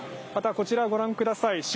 また、こちら、ご覧ください。